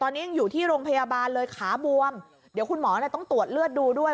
ตอนนี้ยังอยู่ที่โรงพยาบาลเลยขาบวมเดี๋ยวคุณหมอต้องตรวจเลือดดูด้วย